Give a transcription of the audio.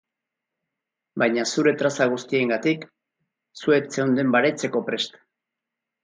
Baina zure traza guztiengatik, zu ez zeunden baretzeko prest.